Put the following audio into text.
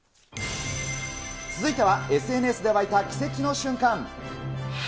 続いてはＳＮＳで沸いた奇跡の瞬間。